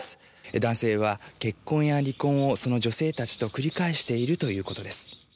男性は結婚や離婚をその女性たちと繰り返しているということです。